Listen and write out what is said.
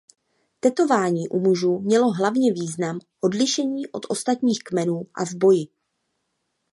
Tetování u mužů mělo hlavně význam odlišení od ostatních kmenů a v boji.